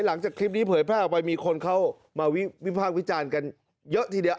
หลังจากคลิปนี้เผยแพร่ออกไปมีคนเข้ามาวิพากษ์วิจารณ์กันเยอะทีเดียว